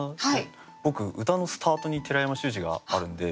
僕歌のスタートに寺山修司があるんで。